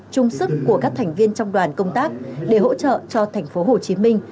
trung sức của các thành viên trong đoàn công tác để hỗ trợ cho thành phố hồ chí minh